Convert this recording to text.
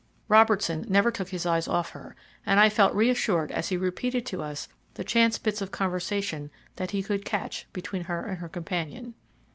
Robertson never took his eyes off her, and I felt reassured as he repeated to us the chance bits of conversation that he could catch between her and her companion.